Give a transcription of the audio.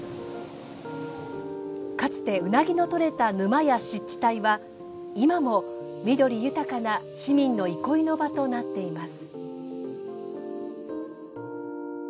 かつて、うなぎの取れた沼や湿地帯は、今も緑豊かな市民の憩いの場となっています。